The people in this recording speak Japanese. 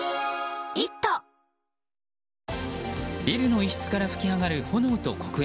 ビルの一室から噴きあがる炎と黒煙。